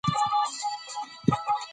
یاقوت د افغانستان د زرغونتیا نښه ده.